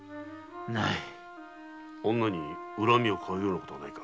女に恨みをかうようなことはないか？